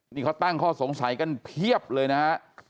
นี่เขาตั้งข้อสงสัยกันเพียบเลยนะฮะ